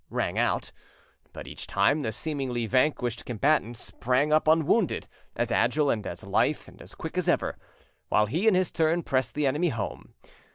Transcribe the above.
rang out. But each time the seemingly vanquished combatant sprang up unwounded, as agile and as lithe and as quick as ever, while he in his turn pressed the enemy home.